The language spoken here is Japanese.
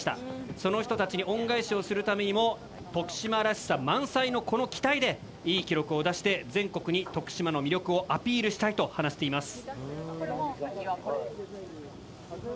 その人たちに恩返しをする為にも徳島らしさ満載のこの機体でいい記録を出して全国に徳島の魅力をアピールしたいと話しています。